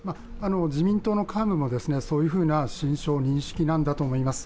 自民党の幹部もそういうふうな心証、認識なんだと思います。